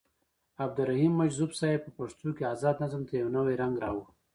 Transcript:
عبدالرحيم مجذوب صيب په پښتو کې ازاد نظم ته يو نوې رنګ راوړو.